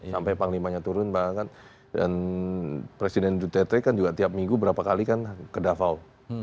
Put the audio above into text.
sampai panglimanya turun bahkan dan presiden duterte kan juga tiap minggu berapa kali kan ke davao